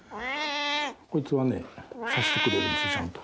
こいつはねさしてくれるんですよちゃんと。